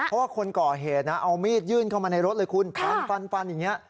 เพราะว่าคนก่อเหตุนะเอามีดยื่นเข้ามาในรถเลยคุณฟันฟันฟันอย่างนี้